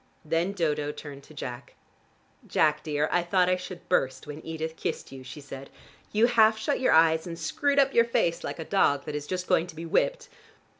Then Dodo turned to Jack. "Jack, dear, I thought I should burst when Edith kissed you," she said. "You half shut your eyes and screwed up your face like a dog that is just going to be whipped.